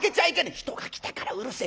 人が来たからうるせえ。